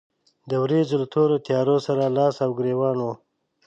د ورېځو له تورو تيارو سره لاس او ګرېوان و.